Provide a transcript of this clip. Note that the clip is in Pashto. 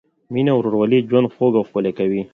مینه او ورورولي ژوند خوږ او ښکلی کوي.